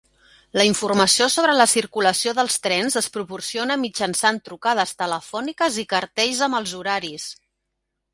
La informació sobre la circulació dels trens es proporciona mitjançant trucades telefòniques i cartells amb els horaris.